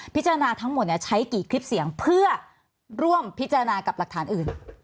ทั้งหมดใช้กี่คลิปเสียงเพื่อร่วมพิจารณากับหลักฐานอื่น